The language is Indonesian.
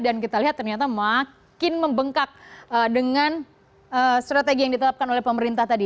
dan kita lihat ternyata makin membengkak dengan strategi yang ditetapkan oleh pemerintah tadi